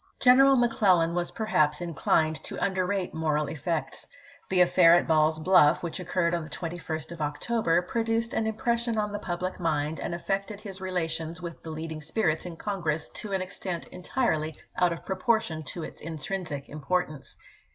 General McClellan was perhaps inclined to under rate moral effects. The affair at Ball's Bluff, which occurred on the 21st of October, produced an im pression on the public mind and affected his re lations with the leading spirits in Congi*ess to an extent entirely out of proportion to its intrinsic importance.